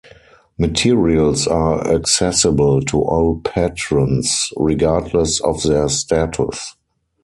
Materials are accessible to all patrons, regardless of their status.